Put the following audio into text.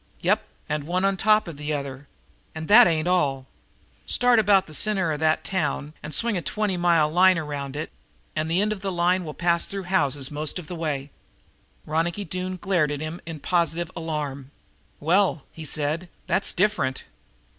"Yep, and one on top of the other. And that ain't all. Start about the center of that town and swing a twenty mile line around it, and the end of the line will be passing through houses most of the way." Ronicky Doone glared at him in positive alarm. "Well," he said, "that's different."